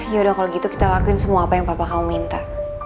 ya udah kalau gitu kita lakuin semua apa yang papa kamu minta